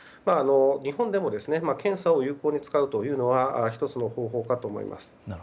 日本でも検査を有効に使うのは１つの方法かと思います。